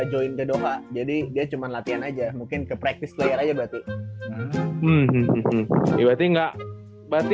join the doha jadi dia cuman latihan aja mungkin ke practice player aja berarti berarti nggak berarti